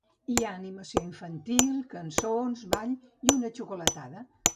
Hi ha animació infantil, cançons, ball i una xocolatada.